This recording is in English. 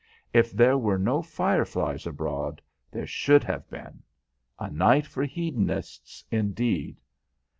If there were no fireflies abroad, there should have been. A night for hedonists, indeed!